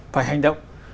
phải hành động